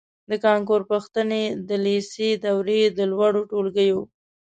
د کانکور پوښتنې د لېسې دورې د لوړو ټولګیو